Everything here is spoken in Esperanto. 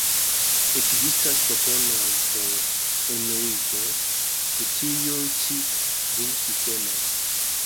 Ekzistas proponoj por unuiĝo de tiuj ĉi du sistemoj.